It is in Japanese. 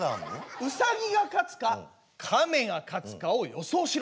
ウサギが勝つかカメが勝つかを予想しろ。